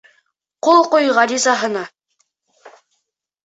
Ҡул ҡуй ғаризаһына.